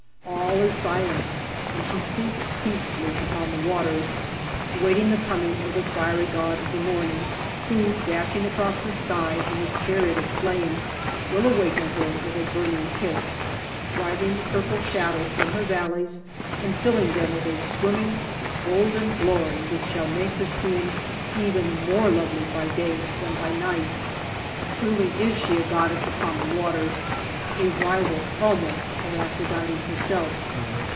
All is silent, and she sleeps peacefully upon the waters, awaiting the coming of the fiery god of the morning, who, dashing across the sky in his chariot of flame, will awaken her with a burning kiss driving the purple shadows from her valleys and filling them with a swimming golden glory which shall make her seem even more lovely by day than by night. Truly is she a goddess upon the waters, a rival almost of Aphrodite herself.